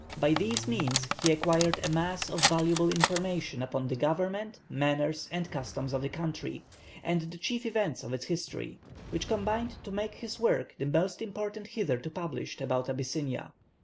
By these means he acquired a mass of valuable information upon the government, manners, and customs of the country, and the chief events of its history, which combined to make his work the most important hitherto published about Abyssinia.